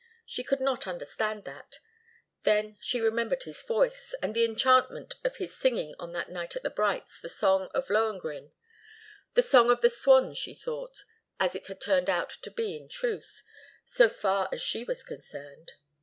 She could not understand that. Then she remembered his voice, and the enchantment of his singing on that night at the Brights' the song of Lohengrin the song of the swan, she thought, as it had turned out to be in truth, so far as she was concerned.